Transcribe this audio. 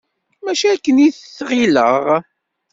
Mačči akken i t-ɣilleɣ.